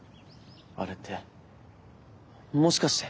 あれってもしかして。